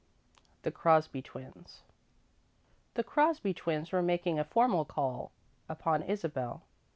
IV THE CROSBY TWINS The Crosby twins were making a formal call upon Isabel.